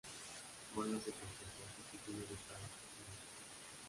Juana se conservó su título ducal hasta su muerte.